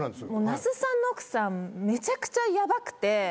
那須さんの奥さんめちゃくちゃヤバくて。